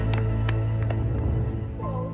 ketika sudah pak sudah